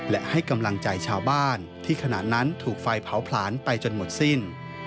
และให้กำลังใจชาวบ้านที่ขณะนั้นถูกไฟเผาผลาญไปจนหมดสิ้น